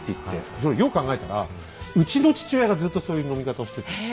それよく考えたらうちの父親がずっとそういう飲み方をしてたんです。